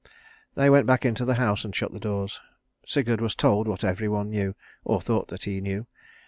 They went back into the house and shut the doors. Sigurd was told what every one knew, or thought that he knew.